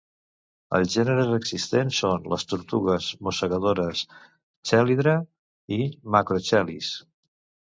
Els gèneres existents són les tortugues mossegadores "Chelydra" i "Macrochelys".